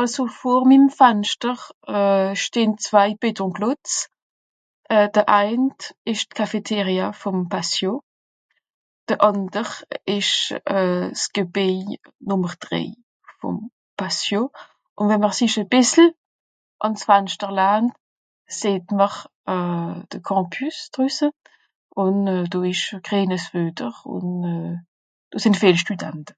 àlso vor mim Fanschter euh stehen zwai Béton-Klotz euh de aint esch d'Cafétéria vòm Patio de ànder esch euh 's Gebeij nùmmer drei vòm Patio ùn wann mr sich e bìssel àns Fanschter laant seht mr euh de Campus drüsse ùn do esch greenes Füeter ùn euh do sìn viel Stüdante